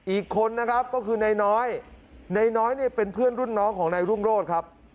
อีกคนนะครับก็คือนายน้อยนายน้อยเนี่ยเป็นเพื่อนรุ่นน้องของนายรุ่งโรธครับ